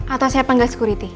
atau saya panggil sekuriti